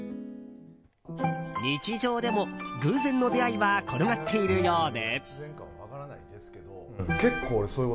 日常でも偶然の出会いは転がっているようで。